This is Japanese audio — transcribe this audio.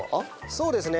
そうですね